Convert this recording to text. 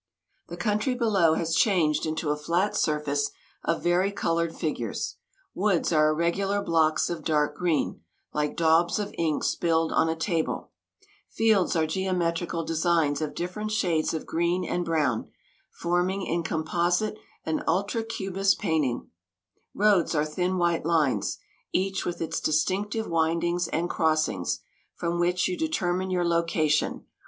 The country below has changed into a flat surface of varicoloured figures. Woods are irregular blocks of dark green, like daubs of ink spilled on a table; fields are geometrical designs of different shades of green and brown, forming in composite an ultra cubist painting; roads are thin white lines, each with its distinctive windings and crossings from which you determine your location.